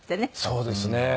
そうですね。